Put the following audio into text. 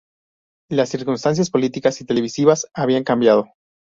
Las circunstancias políticas y televisivas habían cambiado.